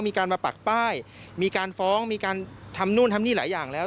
มีการมาปักป้ายมีการฟ้องมีการทำนู่นทำนี่หลายอย่างแล้ว